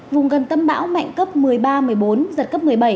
vùng gần tâm bão mạnh cấp một mươi ba một mươi bốn giật cấp một mươi bảy